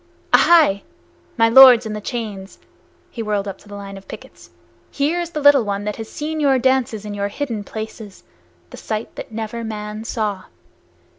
Aihai! my lords in the chains," he whirled up the line of pickets "here is the little one that has seen your dances in your hidden places, the sight that never man saw!